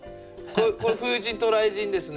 これ風神と雷神ですね